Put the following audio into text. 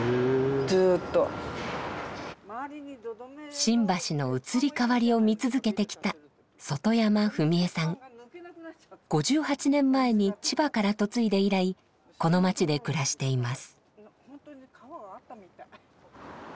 新橋の移り変わりを見続けてきた５８年前に千葉から嫁いで以来この街で暮らしています。